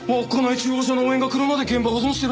中央署の応援が来るまで現場保存してるんだから。